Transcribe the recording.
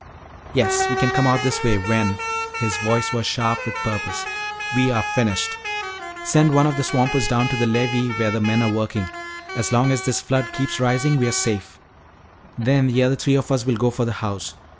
"Yes, we can come out this way when" his voice was sharp with purpose "we are finished. Send one of these swampers down to the levee where the men are working. As long as this flood keeps rising we're safe. Then the other three of us will go for the house.